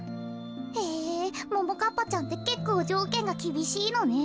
へぇももかっぱちゃんってけっこうじょうけんがきびしいのね。